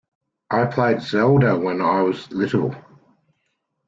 I played Zelda when I was little.